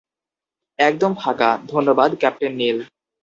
একদম ফাঁকা, ধন্যবাদ, ক্যাপ্টেন নিল।